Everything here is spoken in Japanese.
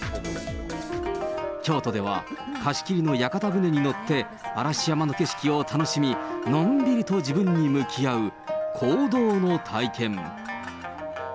京都では、貸し切りの屋形船に乗って嵐山の景色を楽しみ、のんびりと自分に向き合う香道の体験。